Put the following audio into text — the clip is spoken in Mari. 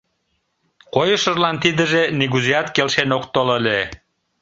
Койышыжлан тидыже нигузеат келшен ок тол ыле.